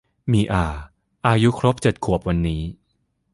มีอาอายุครบเจ็ดขวบวันนี้